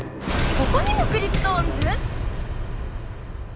ここにもクリプトオンズ？